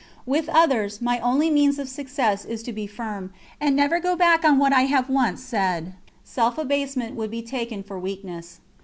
With others, my only means of success is to be firm, and never go back on what I have once said; self abasement would be taken for weakness.